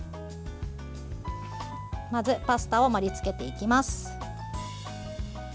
まずパスタを盛りつけていきます。